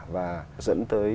và dẫn tới